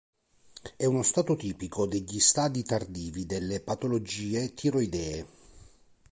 È uno stato tipico degli stadi tardivi delle patologie tiroidee.